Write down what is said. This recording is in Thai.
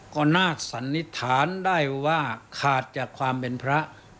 ก็น่าสันนิษฐานได้ว่าขาดจากความเป็นพระ